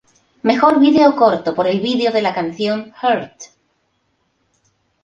Mejor Video Corto por el video de la canción "Hurt".